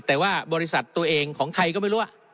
แต่ว่าบริษัทตัวเองของใครก็ไม่รู้